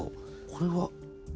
これは。